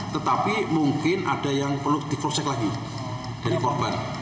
tetapi mungkin ada yang perlu di cross check lagi dari korban